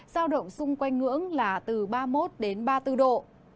giao động xung quanh ngưỡng là từ ba mươi một đến ba mươi bốn độ